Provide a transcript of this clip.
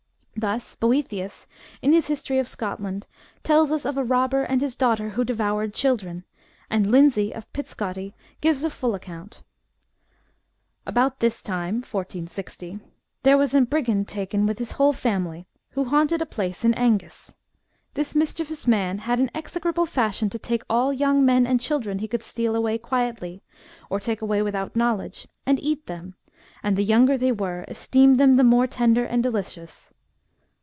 Thus Boethius, in his history of Scotland, tells us of a robber and his daughter who devoured children, and Lindsay of Pitscottie gives a full account, About this time (1460) there was ane brigand ta'en with his haill family, who haunted a place in Angus. This mischievous man had ane execrable fashion to take all young men and children he could steal away quietly, or tak' away without knowledge, and eat them, and the younger they were, esteemed them the mair tender and delicious.